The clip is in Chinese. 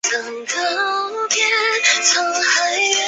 清廷于光绪七年开始派遣出使意大利王国钦差大臣。